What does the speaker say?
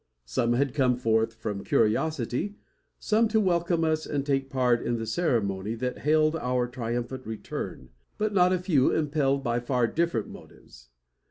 Some had come forth from curiosity, some to welcome us and take part in the ceremony that hailed our triumphant return, but not a few impelled by far different motives.